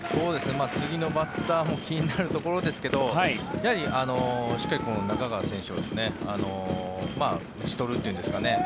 次のバッターも気になるところですけどしっかり中川選手を打ち取るというんですかね